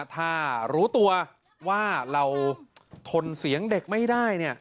ถ้ารู้ตัวว่าเราทนเสียงเด็กไม่ได้